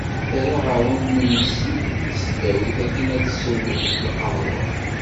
Terra ɣer ulmessi n tesdawit akken ad tessew lqahwa.